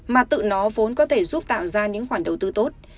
mà tự nó vốn có thể giúp tạo ra những khoản đầu tư tốt